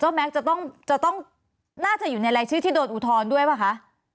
แม็กซ์จะต้องน่าจะอยู่ในรายชื่อที่โดนอุทธรณ์ด้วยป่ะคะ